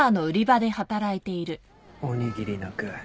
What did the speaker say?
おにぎりの具。